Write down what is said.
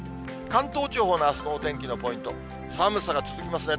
関東地方のあすのお天気のポイント、寒さが続きますね。